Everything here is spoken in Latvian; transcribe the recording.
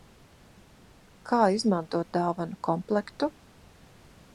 Kā izmantot dāvanu komplektu?